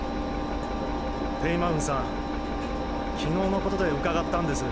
テイ・マウンさんきのうのことでうかがったんです。